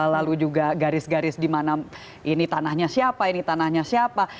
lalu juga garis garis di mana ini tanahnya siapa ini tanahnya siapa